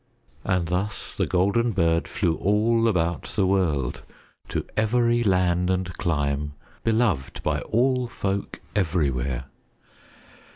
And thus, The Golden Bird flew all about the world, to every land and clime, beloved by all folk everywhere.